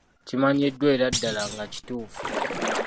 Kimanyiddwa era ddala nga kituufu.